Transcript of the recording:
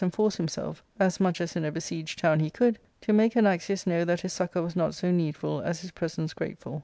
enforce himself, as much as in a besieged town he could, to make Anaxius know that his succour was not so needful as his presence grateful.